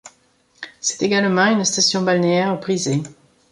C'est également une station balnéaire prisée.